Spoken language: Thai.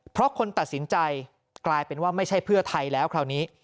เพราะคนตัดสินใจกลายเป็นว่าไม่ใช่เพื่อไทยแล้วคราวนี้